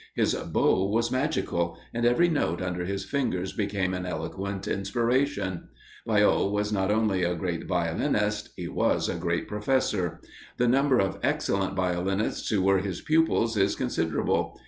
His bow was magical; and every note under his fingers became an eloquent inspiration. Baillot was not only a great violinist he was a great professor. The number of excellent violinists who were his pupils is considerable.